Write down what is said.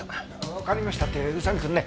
「わかりました」って宇佐見くんね。